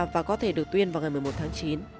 và có thể được tuyên vào ngày một mươi một tháng chín